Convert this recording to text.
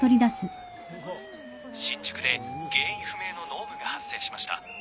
新宿で原因不明の濃霧が発生しました。